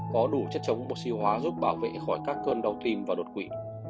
có đủ chất chống oxy hóa giúp bảo vệ khỏi các cơn đau tim và đột quỵ